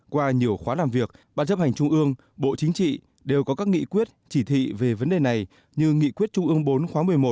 qua nhiều khóa làm việc ban chấp hành trung ương bộ chính trị đều có các nghị quyết chỉ thị về vấn đề này như nghị quyết trung ương bốn khóa một mươi một